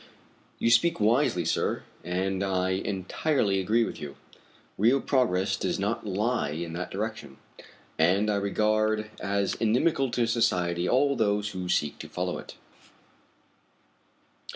"You speak wisely, sir, and I entirely agree with you. Real progress does not lie in that direction, and I regard as inimical to society all those who seek to follow it.